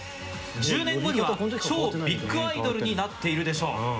１０年後には超ビッグアイドルになってるでしょう。